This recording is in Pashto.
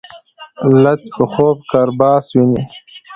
لڅ په خوب کرباس ويني.